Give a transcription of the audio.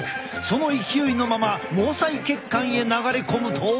その勢いのまま毛細血管へ流れ込むと。